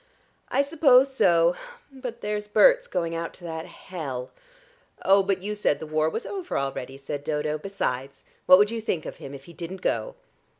"I suppose so. But there's Berts going out to that hell " "Oh, but you said the war was over already," said Dodo. "Besides what would you think of him if he didn't go?"